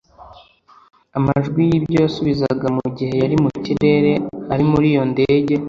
Amajwi y’ibyo yasubizaga mu gihe yari mu kirere ari muri iyo ndege